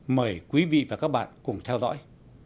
mời quý vị và các bạn cùng theo dõi